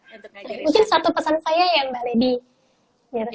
mungkin satu pesan saya ya mbak lady